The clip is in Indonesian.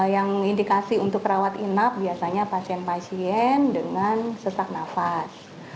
yang indikasi untuk rawat inap biasanya pasien pasien dengan sesak nafas